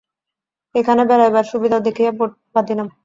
এইখানে বেড়াইবার সুবিধা দেখিয়া বোট বাঁধিলাম।